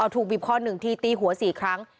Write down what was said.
อ่อถูกบีบคอหนึ่งทีตีหัวสี่ครั้ง